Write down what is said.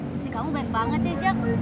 mesti kamu baik banget ya jack